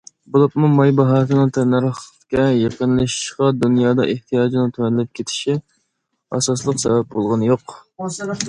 بولۇپمۇ ماي باھاسىنىڭ تەننەرخكە يېقىنلىشىشىغا دۇنيادا ئېھتىياجنىڭ تۆۋەنلەپ كېتىشى ئاساسلىق سەۋەب بولغىنى يوق.